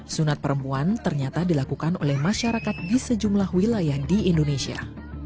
sunat perempuan ternyata dilakukan oleh masyarakat di sejumlah wilayah di indonesia